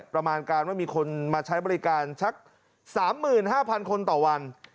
ประมาณการว่ามีคนมาใช้บริการสัก๓๕๐๐คนต่อวัน